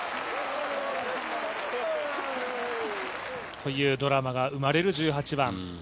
というドラマが生まれる１８番。